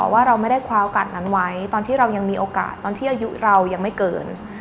ว่าเราไม่ได้คว้าโอกาสนั้นไว้ตอนที่เรายังมีโอกาสตอนที่อายุเรายังไม่เกิน